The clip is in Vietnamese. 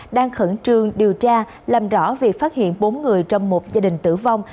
đang khẩn trương điều tra làm rõ việc phát hiện bốn người trong một gia đình tử vong